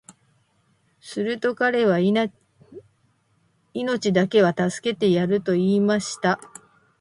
すると彼は、命だけは助けてやる、と言いました。やがて、私は小さな舟に一人乗せられ、八日分の食物を与えられ、